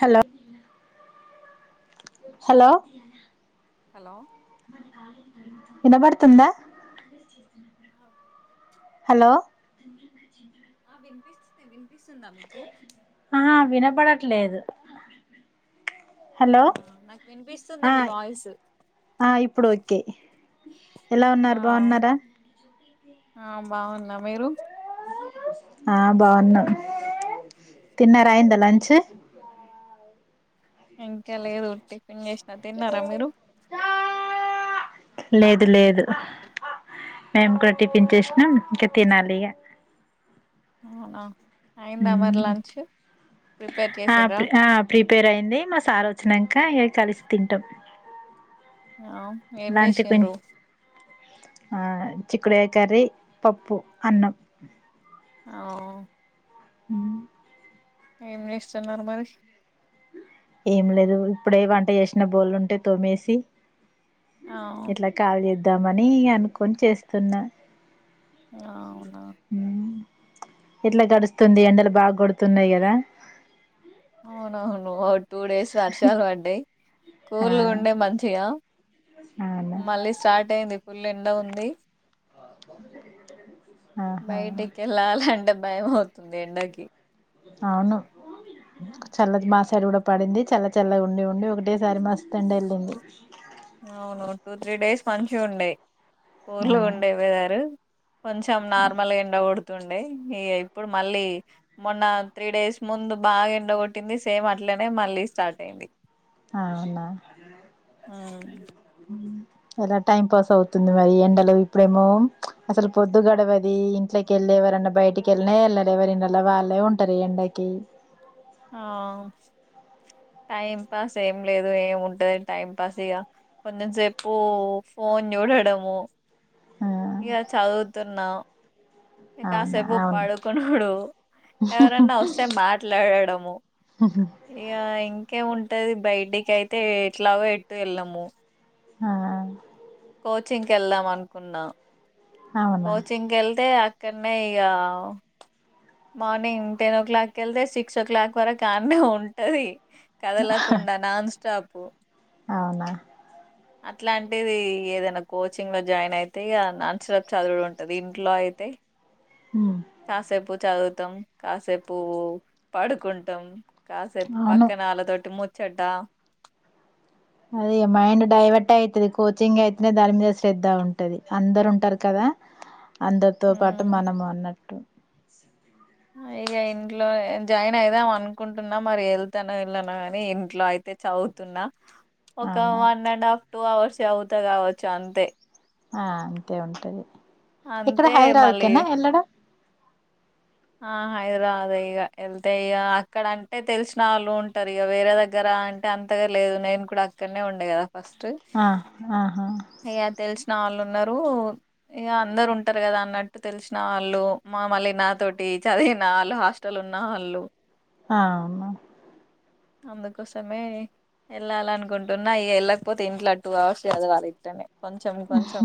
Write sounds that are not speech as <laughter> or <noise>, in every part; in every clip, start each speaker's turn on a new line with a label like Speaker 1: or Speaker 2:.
Speaker 1: Hello hello
Speaker 2: hello
Speaker 1: వినబడుతుందా hello
Speaker 2: ెన్ వినిపిస్తుందా మీకు
Speaker 1: లేదు
Speaker 2: అవునా నాకు వినిపిస్తుంది
Speaker 1: ఆ
Speaker 2: మీ వాయిస్
Speaker 1: ఆ ఇప్పుడు ఓకే ఎలా
Speaker 2: ఆ
Speaker 1: ఉన్నారు బాగున్నారా
Speaker 2: ఆ బాగున్నా మీరు
Speaker 1: ఆ బాగున్నా తిన్నార అయిందా లంచ్
Speaker 2: ఇంకా లేదు టిఫిన్ చేసినా తిన్నారా మీరు
Speaker 1: లేదు లేదు మేము కూడా టిఫిన్ చేసినాం ఇంకా తినాలిక
Speaker 2: అవునా అయిందా మరి లంచ్ ప్రిపేర్ చేసిండ్రా
Speaker 1: ఆ ప్రిపేర్ అయింది మా సార్ వచ్చినక ఏ కలిసి తింటాం
Speaker 2: ఆ ఏం
Speaker 1: లంచ్ కు
Speaker 2: చేసిండ్రు
Speaker 1: ఆ చక్కుడుకాయ కర్రీ పప్పు అన్నం
Speaker 2: అఓ
Speaker 1: అ
Speaker 2: ఏం చేస్తున్నారు మరి
Speaker 1: ఏం లేదు ఇప్పుడే వంట చేసిన బోళ్ళుంటే తోమేసి
Speaker 2: ఆ
Speaker 1: ఇట్లా కాల్ చేద్దామని అనుకొని చేస్తున్నా
Speaker 2: అవునా
Speaker 1: ఎట్లా గడుస్తుంది ఎండలు బాగా గడుతున్నాయి కదా
Speaker 2: అవునవును ఓ టూ డేస్ వర్షాలు పడ్డాయి
Speaker 1: ఆ
Speaker 2: కూల్ ఉండే మంచిగా
Speaker 1: అవునా
Speaker 2: మళ్ళీ స్టార్ట్ అయింది పుల్ల ఎండ ఉంది
Speaker 1: అ
Speaker 2: బయటికి ఎళ్ళాలంటే భయం అవుతుంది ఎండకి
Speaker 1: అవును చల్ది మాసం తెరువులో పడింది చల్ల చల్లగా ఉండి ఉండి ఒకటేసారి మస్తు ఎండ ఏళ్ళింది
Speaker 2: అవును టూ త్రీ డేస్ మంచిగుండే
Speaker 1: ఆ
Speaker 2: కూర్లుగుండే వేదారు కొంచెం నార్మల్ ఎండ కొడుతు తుండే ఇగ ఇప్పుడు మళ్ళీ మొన్న త్రీ డేస్ ముందు బాగా ఎండగొట్టింది సేమ్ అట్ల నే మళ్ళీ స్టార్ట్ అయింది
Speaker 1: ఆ అవునా
Speaker 2: ఉమ్.
Speaker 1: హ్మ్ ఎలా టైం పాస్ అవుతుంది, మరి ఎండలో ఇప్పుడేమో అసలు పొద్దు గడవది ఇంట్లకెళ్ళి ఎవరన్నా బయటికి ఎళ్ళనే ఎళ్ళరు ఎవరిన్లల్ల వాళ్ళే ఉంటారు ఎండకి
Speaker 2: ఆ టైం పాస్ ఏం లేదు ఏముంటది టైం పాస్ ఇగ కొంచం సేపు ఫోన్ చూడడం
Speaker 1: ఆ
Speaker 2: ఇగ చదువుతున్నా
Speaker 1: అవునా
Speaker 2: కాసేపు
Speaker 1: అవును
Speaker 2: పడుకునుడు ఎవరన్నా వస్తే మాట్లాడడము ఇగ ఇంకేం ముంటూ ఉంటది బయటికి అయితే ఎట్లాగో ఎటు ఎళ్ళము
Speaker 1: ఆ
Speaker 2: కోచింగ్ వేళ్దాం అనుకున్నా
Speaker 1: అవునా
Speaker 2: కోచింగ్కి వెళ్తే అక్కడనే ఇగ మార్నింగ్ టెన్ ఓ క్లాక్ వెళ్తే సిక్స్ ఓ క్లాక్ వరకు ఆన్నే ఉంటది కదలకుండా నాన్ స్టాపు
Speaker 1: అవునా
Speaker 2: అట్లా ఆంటీది ఏదైనా కోచింగ్ లో జాయిన్ అయితే ఇగ నన్స్లో చదువుడు ఉంటది ఇంట్లో అయితే కాసేపు చదువుతాం కాసేపు పడుకుంటాం, కాసేపు
Speaker 1: అవును
Speaker 2: పక్కనళ్ళతోటి ము చ్చట
Speaker 1: అదే ఇగ మైండ్ డైవర్ట్ అయితది కోచింగ్ అయితేనే దాని మీద శ్రద్ధ ఉంటది అందరు ఉంటారు కదా ఆ అందరితో పాటు
Speaker 2: ఉమ్,
Speaker 1: మనము అన్నట్టు
Speaker 2: ఇగ ఇంట్లో జాయిన్ అయిదాం అనుకుంటున్నా మరి వెళ్తాను వెళ్ళానో అని ఇంట్లో అయితే చదువు తున్నా ఒక
Speaker 1: అవునా
Speaker 2: one and half two hours చదువుతా కావచ్చు అంతే
Speaker 1: ఏక్కడ
Speaker 2: అంతే
Speaker 1: హైదరాబాద్
Speaker 2: మళ్ళీ
Speaker 1: కేనా వెళ్ళడం
Speaker 2: ఆ హైదరాబాదే ఇగ వెళ్తే ఇగ అక్కడ అంటే తెలిసిన వాళ్ళు ఉంటారు ఇగ వేరే దగ్గర అంటే అంతగా లేదు నేను కూడా అక్కడనే ఉండే కదా ఫస్ట్
Speaker 1: ఆ ఆహా
Speaker 2: ఇగా తెలుసు నళ్ళు ఉన్నారు, ఇగ అందరు ఉంటారు కదా అన్నట్టు తెలిసిన వాళ్ళు మా మళ్లీ నాతోటి చదివిన వాళ్ళు హాస్టల్ ఉన్న వాళ్ళు
Speaker 1: ఆ అవునా
Speaker 2: అందుకోసమే వేల్లాలనుకుంటున్న ఇగ వెళ్ళకపోతే ఇంట్ల టూ అవర్స్ చదవలీ ఇట్టనే
Speaker 1: ఉహు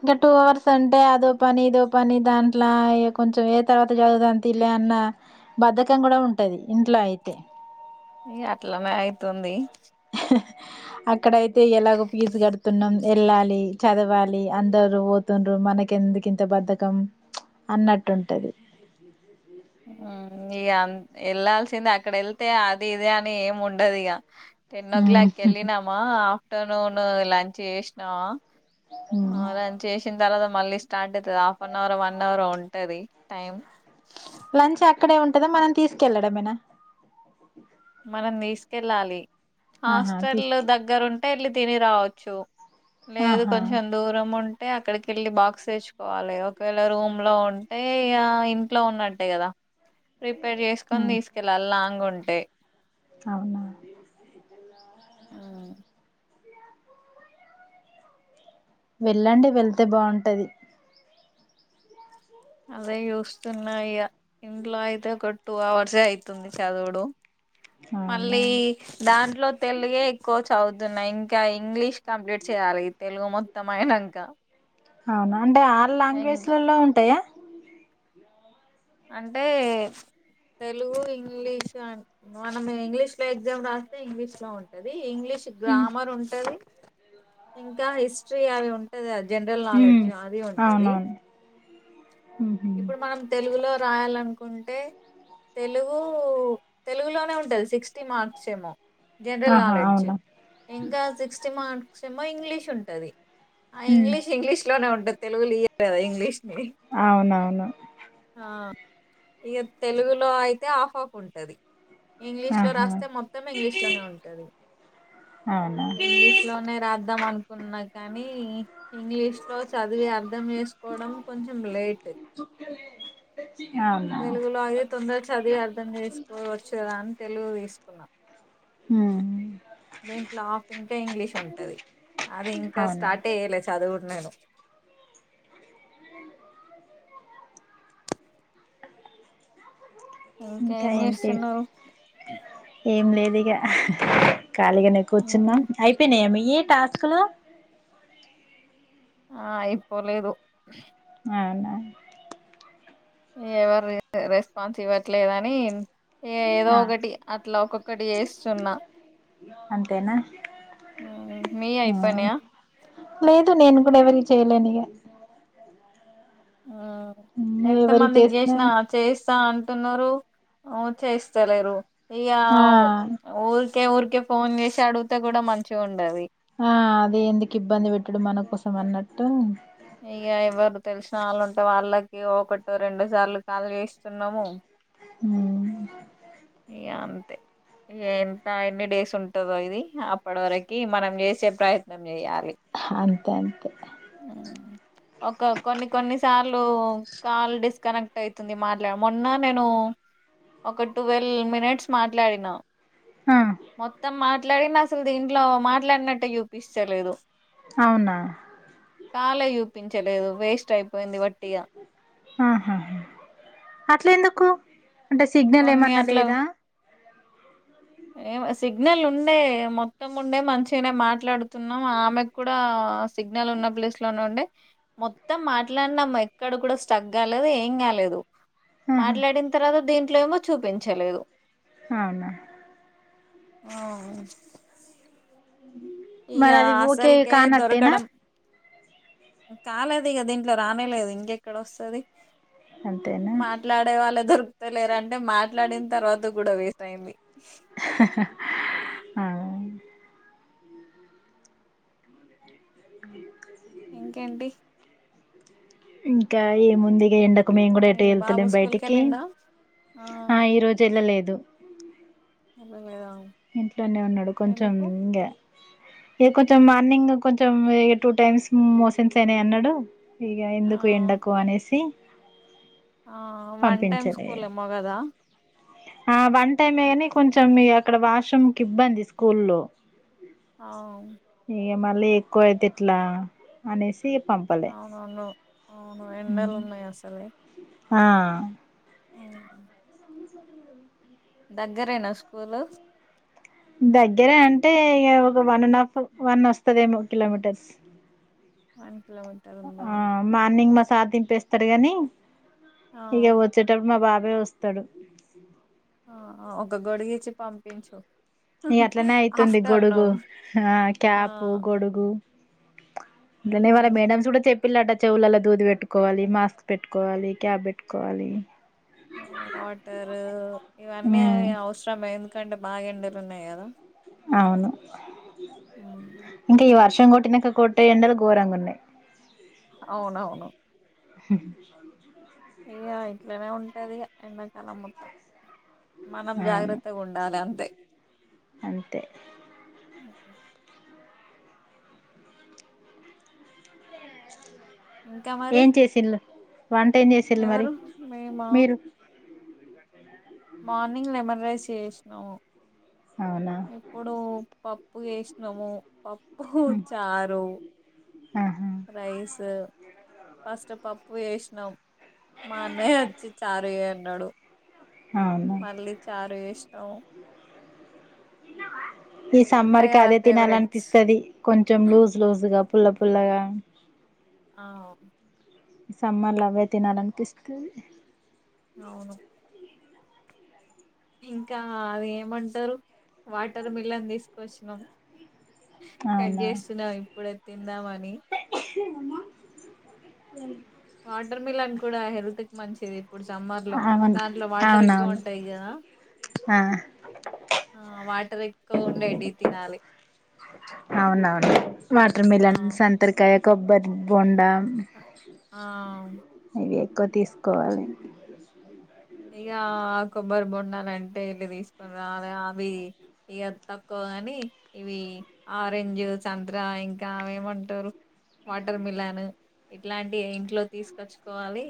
Speaker 1: ఇంకా టూ అవర్స్ అంటే అదో పని ఇదో పని దాంట్ల ఇగ కొంచెం ఏ తర్వాత చదువుదాం తీలే అన్న బద్ధకం కూడా ఉంటది ఇంట్లో అయితే
Speaker 2: ఇగ అట్లనే అయితుంది
Speaker 1: <unintelligible> అక్కడయితే ఎలాగో పీజు కడుతున్నాం ఎళ్ళాలి చదవాలి అందరు పోతుండ్రు మనకి ఎందుకు ఇంత బద్ధకం అన్నట్టు ఉంటది
Speaker 2: ఇగ అంత్ వేళ్ళాల్సిందే అక్కడ వెళ్తే అది ఇది అని ఏం ఉండదు ఇగ టెన్ ఓ
Speaker 1: ఉమ్
Speaker 2: క్లాక్ వెళ్ళినామా ఆఫ్టర్నూన్ లంచ్ చేసినామా
Speaker 1: ఉమ్
Speaker 2: అ లాంచ్ చేసిన తర్వాత మళ్ళీ స్టార్ట్ అయితాది హాఫ్ అన్ అవరో వన్ అవరో ఉంటది టైం
Speaker 1: లంచ్ అక్కడే ఉంటదా మనం తీసుకెళ్ళడమేనా
Speaker 2: మనం తీసుకెళ్ళాలి
Speaker 1: ఆహా
Speaker 2: హాస్టల్
Speaker 1: తీసుకు
Speaker 2: దగ్గరు ఉంటే వెళ్ళి తిని రావచ్చు లేదు
Speaker 1: ఆహా
Speaker 2: కొంచెం దూరం ఉంట టే అక్కడికేళ్ళి బాక్స్ తెచ్చుకోవాలి ఒకవేళ రూమ్ లో ఉంటే ఇంట్లో ఉన్నట్టే కదా ప్రిపేర్ చేసుకొని
Speaker 1: ఉమ్
Speaker 2: తీసుకెళ్ళాలి లాంగ్ ఉంటే
Speaker 1: అవునా
Speaker 2: ఊ
Speaker 1: వెళ్ళండి వెళ్తే బాగుంటది
Speaker 2: అదే చూస్తున్నా ఇగ ఇంట్లో అయితే ఒక టూ అవర్సే అవుతుంది చదువుడు
Speaker 1: అవునా
Speaker 2: మళ్ళీ దాంట్లో తెలుగే ఎక్కువ చదువుతున్నాయి ఇంకా ఇంగ్లీష్ కంప్లీట్ చేయాలి తెలుగు మొత్తము అయినంకా
Speaker 1: అవునా అంటే ఆల్ లాంగ్వేజ్లలో ఉంటాయా
Speaker 2: అంటే తెలుగు ఇంగ్లీషు మనం ఇంగ్లీష్ లో ఎగ్జామ్ రాస్తే ఇంగ్లీష్ లో ఉంటది ఇంగ్లీష్
Speaker 1: ఉమ్
Speaker 2: గ్రామర్ ఉంటది ఇంకా హిస్టరీ అది ఉంటది అది జనరల్
Speaker 1: ఉమ్
Speaker 2: నాలెడ్జ్ అది ఉంటది
Speaker 1: అవునవును ఉహు.
Speaker 2: ఇప్పుడు మనం తెలుగులో రాయాలనుకుంటే తెలుగు తెలుగులోనే ఉంటది సిక్స్టీ మార్క్స్ ఏమో జనరల్
Speaker 1: ఆహా
Speaker 2: నాలెడ్జ్
Speaker 1: అవునా
Speaker 2: ఇంకా సిక్స్టీ మార్క్స్ ఏమో ఇంగ్లీష్ ఉంటుది ఆ
Speaker 1: ఉమ్
Speaker 2: ఇంగ్లీష్ ఇంగ్లీష్ లోనే ఉంటుంది తెలుగు ఇయరు కదా ఇంగ్లీష్ ని
Speaker 1: అవును
Speaker 2: ఆ ఇక తెలుగులో అయితే ఆఫ్ ఆఫ్ ఉంటది ఇంగ్లీష్ లో
Speaker 1: ఆహా
Speaker 2: రాస్తే మొత్తం ఇంగ్లీష్ లోనే ఉంటుది
Speaker 1: అవునా
Speaker 2: ఇంగ్లీష్ లోనే రాద్దాం అనుకు న్నా కానీ ఇంగ్లీష్ లో చదివి అర్థం చేసుకోవడం కొంచెం లేట్
Speaker 1: చుక్క
Speaker 2: తెలుగులో అయిది తొందర చదివి అర్ధం చేసుకోవచ్చు కదా అని తెలుగు తీసుకున్నా
Speaker 1: ఉ
Speaker 2: దీంట్లో ఆఫ్ ఇంకా ఇంగ్లీష్ ఉంటది అది ఇంకా
Speaker 1: అవునా
Speaker 2: స్టార్ట్ చెయ్యలే చదువు నేను
Speaker 1: ఇంకా
Speaker 2: ఏం
Speaker 1: ఏంటి
Speaker 2: చేస్తున్నారు
Speaker 1: ఏం లేదు ఇగా ఖాళీగా కూర్చున్న
Speaker 2: ఉమ్,
Speaker 1: అయిపోయినా మీయి ఏ టాస్క్ లో
Speaker 2: ఆ అయిపొలేదు
Speaker 1: అనా
Speaker 2: ఎవరు రెస్పాన్స్ ఇవ్వట్లేదుని ఏదో
Speaker 1: ఆ
Speaker 2: ఒకటి ఇట్లా ఒక్కొక్కటి వేస్తున్నా
Speaker 1: అంతేనా
Speaker 2: మీ
Speaker 1: ఆ
Speaker 2: అయిపోన్యా
Speaker 1: లేదు నేను కూడా ఎవరి చేయలేని ఇగ
Speaker 2: ఎంత
Speaker 1: ఎవరికి
Speaker 2: మంది
Speaker 1: చేసినా
Speaker 2: చేసిన చేస్తా అ ఉన్నారు చేయిస్తలేరు ఇక
Speaker 1: ఆ
Speaker 2: ఊ ఏ ఊరికే ఫోన్ చేసి అడిగితే కూడా మంచిగా ఉండది
Speaker 1: ఆ అది ఎందుకు ఇబ్బంది పెట్టటుడు మన కోసం అన్నట్టు
Speaker 2: ఇగ ఎవారు తెలుసు కాలు ఉంటే వాళ్ళకి ఒకటి రెండు సార్లు కాలు చేయిస్తున్నాము
Speaker 1: ఉమ్
Speaker 2: ఇగ అంతే ఎంత ఎన్ని డేస్ ఉంటదో ఇది అప్పటి వరకి మనం చేసే ప్రయత్నం చెయ్యాలి
Speaker 1: అంతే అంతే
Speaker 2: ఒక కొన్ని కొన్ని సార్లు కాల్ డిస్కనెక్ట్ అవుతుంది మాట్లాడ మొన్న నేను ఒక ట్వెల్వ్ మినిట్స్ మాట్లాడినా
Speaker 1: ఆ
Speaker 2: మొత్తం మాట్లాడి అసలు దీంట్లో మాట్లాడినట్టటు చూపిస్తలేదు
Speaker 1: అవునా
Speaker 2: కాల్ ఏ చూపించలేదు వేస్ట్ అయిపో
Speaker 1: ఆహా అట్లే ఎందుకు అంటే సిగ్నల్
Speaker 2: కొన్ని
Speaker 1: ఏమన్నా లేదా
Speaker 2: ఏ సిగ్నల్ ఉండే మొత్తం ఉండే మంచిగానే మాట్లాడుతున్నాం ఆమెకు కూడా ఆ సిగ్నల్ ఉన్న ప్లేస్ లోనే ఉండడి మొత్తం మాట్లాడినాం ఎక్కడ కూడా స్టక్ కాలేదు ఏం కాలేదు
Speaker 1: ఆహా
Speaker 2: మాట్లాడిన తర్వాత దీంట్లో ఏమో చూపించలేదు
Speaker 1: అవునా
Speaker 2: ఆవును ఇక
Speaker 1: మరి అది ఓకే
Speaker 2: అసలుకే
Speaker 1: కానట్టేనా
Speaker 2: దొరకడం కాలేదు దీంట్లో రానేలేదు ఇంకెక్కడ వస్తుది
Speaker 1: అంతేనా
Speaker 2: మాట్లాడే వాళ్లేదోరు కుతలేరు అంటే మాట్లాడిన తర్వాత కూడా వేస్ట్ అయింది
Speaker 1: అ
Speaker 2: ఇంకేంటి
Speaker 1: ఇంకా ఏముందిగా ఎండ మేము కూడా ఎటు
Speaker 2: ఈ బాబు
Speaker 1: ఏళ్తలేం
Speaker 2: స్కూల్కి
Speaker 1: బైటికి
Speaker 2: వెళ్ళిండా
Speaker 1: ఆ ఈ రోజు ఏళ్ళలేదు
Speaker 2: ఎల్లలేద
Speaker 1: ఇంట్లోనే ఉన్నాడు కొంచెం ఉండా ఇగ కొంచెం మార్నింగ్ కొంచెం ఇగ టూ టైమ్స్ మోషన్స్ అయినై అన్నాడు ఇగ
Speaker 2: ఆ
Speaker 1: ఎందుకు ఎండకు అనేసి
Speaker 2: ఆ వన్ టైమ్
Speaker 1: పంపించలే
Speaker 2: స్కూల్ ఏమో కదా
Speaker 1: ఆ వన్ టైమ్ కని కొంచెం ఇగ అక్కడ వాష్రూమ్ కి ఇబ్బంది స్కూల్లో
Speaker 2: అవు
Speaker 1: ఇగ మళ్ళీ ఎక్కువయితే ఎట్లా అనేసి పంపలే
Speaker 2: అవునవును అవును ఎండలు ఉన్నాయి అసలే
Speaker 1: ఆ
Speaker 2: అవును దగ్గరేనా స్కూలు
Speaker 1: దగ్గరే అంటే ఇగ ఒక వన్ అండ్ హాఫ్ వన్ వస్తదేమో కిలోమీటర్స్
Speaker 2: వన్ కిలోమీటర్ ఉందా
Speaker 1: ఆ మార్నింగ్ మా సార్ దింపేస్తారు గాని
Speaker 2: ఆ
Speaker 1: ఇగ వచ్చేటప్పుడు మా బా బే వస్తాడు
Speaker 2: ఆ ఒక గొడుగు ఇచ్చి పంపించు
Speaker 1: ఇ అట్లనే అయితుంది గొడుగు
Speaker 2: ఆఫ్టర్నూన్
Speaker 1: ఆ క్యాపు గొడుగు గన్నయ వాళ్ళ
Speaker 2: ఉమ్.
Speaker 1: మేడమ్స్ కూడా చెప్పిలట చెవులల దూది పెట్టుకోవాలి మాస్క్ పెట్టుకోవాలి క్యాప్ పెట్టుకోవాలి
Speaker 2: వాటరు ఇవన్నీ
Speaker 1: ఉమ్
Speaker 2: అవసరమే ఎందుకంటే బాగా ఎండలు ఉన్నయి కదా
Speaker 1: అవును
Speaker 2: ఉమ్
Speaker 1: ఇంకా ఈ వర్షం కొట్టినంక కొట్టే ఎండలు గోరంగున్నాయి
Speaker 2: అవునవును
Speaker 1: హ
Speaker 2: ఇగ ఇట్లనే ఉంటది ఇగ ఎండాకాలం మొత్తం మనం
Speaker 1: అవును
Speaker 2: జాగ్రత్తగా ఉండాలి అంతే
Speaker 1: అంతే
Speaker 2: మీకు ఇంకా మరి
Speaker 1: ఏం చేసిళ్ళు వంట ఏం చేసిళ్ళు మరి
Speaker 2: ఎవరు మేమా
Speaker 1: మీరు
Speaker 2: మార్నింగ్ లెమన్ రైస్ చేసినాము
Speaker 1: అవునా
Speaker 2: ఇప్పుడు పప్పు చేసినాము పప్పు చారు
Speaker 1: ఆహా
Speaker 2: రైస్ ఫస్ట్ పప్పు చేసినం మా అన్నయ్య అచ్చి చారు చేయన్నాడు
Speaker 1: అవునా
Speaker 2: మళ్ళీ చారు చేసి నో
Speaker 1: ఈ
Speaker 2: ఉంటాయి
Speaker 1: సమ్మర్కి
Speaker 2: కదా
Speaker 1: అదే
Speaker 2: ఫేవరెట్స్
Speaker 1: తినాలనిపిస్తది కొంచెం లూజ్ లూజ్ గా పుల్ల పుల్లగా
Speaker 2: ఆవు
Speaker 1: ఈ సమ్మర్ల అవే తినాలనిపిస్తది
Speaker 2: అవును ఇంకా అది ఏమంటారు వాటర్ మిలన్ తీసుకొచ్చినాం కట్
Speaker 1: అవునా
Speaker 2: చేస్తున్నాం ఇప్పుడే తిందాం అని
Speaker 1: అ స <inaudible>
Speaker 2: వాటర్ మిలన్ కూడా హెల్త్ కు మంచిది ప్పుడు సమ్మర్లో
Speaker 1: అవును
Speaker 2: దాంట్లో వాటర్ ఎక్కువ
Speaker 1: అవునవును
Speaker 2: ఉంటయి కదా?
Speaker 1: ఆ
Speaker 2: ఆ వా
Speaker 1: అవునవును వాటర్
Speaker 2: ఆ
Speaker 1: మిలన్ సంత్రకాయ కొబ్బర్ బోండా
Speaker 2: అ ఆఁ
Speaker 1: ఇంక తీసుకోవాలి.
Speaker 2: ఇగా కొబ్బరి బొండాలంటే ఎల్లి తీసుకొని రావాలి అవి ఇగ తక్కువ నీ ఇవి ఆరెంజ్ సంత్ర ఇంకా అవేమంటారు వాటర్ మిలాను ఇట్లాంటివి ఇంట్లోకి తీసుకొచ్చుకోవాలి.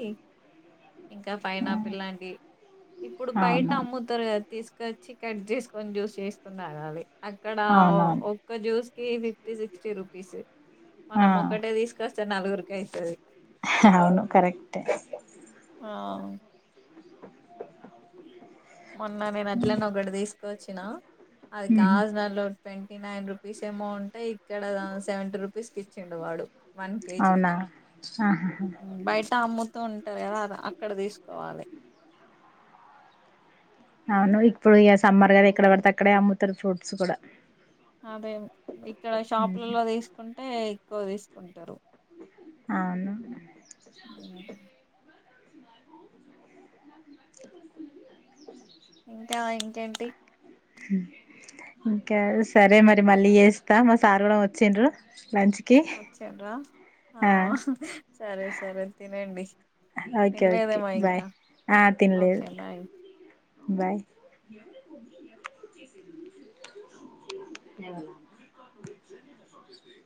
Speaker 2: ఇంకా
Speaker 1: ఆ,
Speaker 2: ఫైనాపిల్ లాంటివి ఇప్పుడు బయట
Speaker 1: అవునవును
Speaker 2: అమ్ముతారు కదా తీసు కొచ్చి కట్ చేసుకొని జ్యూస్ చేసుకుని తాగాలి. అక్కడా
Speaker 1: అవునవును
Speaker 2: ఒక్క జ్యూస్ కీ ఫిఫ్టీ, సిక్స్టీ రూపీస్
Speaker 1: ఆ
Speaker 2: మనం ఒకటే తీసుకొస్తే నలుగురికి అయితది.
Speaker 1: అవును కరక్టే
Speaker 2: ఆ మొన్న నేను అట్లనే ఒకటి తీసుకొచ్చిన అది
Speaker 1: ఉహు
Speaker 2: కాజ్ నర్లో <unintelligible> నైన్ రుపీస్ ఏమో ఉంటే ఇక్కడ సెవెంటీ రూపీస్కి ఇచ్చిండు వాడు. వన్ కేెజీ,
Speaker 1: అవునా ఆహా
Speaker 2: బయట అమ్ము తుంటరు కదా అక్కడ తీసుకోవాలి.
Speaker 1: అవును ఇప్పుడు ఇగ సమ్మర్ కదా ఎక్కడ పడితే అక్కడే అమ్ముతుర్రు ఫ్రూట్స్ కూడా.
Speaker 2: అదే ఇక్కడ
Speaker 1: ఉమ్,
Speaker 2: షాపులల్ల తీసుకుంటే ఎక్కువ తీసుకుంటరు
Speaker 1: అవును
Speaker 2: ఇంకా ఇంకేంటి?
Speaker 1: ఇంకా సరే మరి మళ్ళీ చేస్తా మా సార్ కూడా వచ్చిండ్రు లంచ్ కి
Speaker 2: వచ్చిండ్రా ఆ సరే సరే తినండి.
Speaker 1: ఓకే ఓకే
Speaker 2: తినలేదేమో
Speaker 1: బాయ్
Speaker 2: ఇంకా
Speaker 1: ఆఁ తినలేదు.
Speaker 2: Okay bye
Speaker 1: bye ఏవన్న